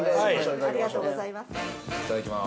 ◆ありがとうございます。